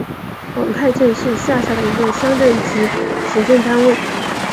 广太镇是下辖的一个乡镇级行政单位。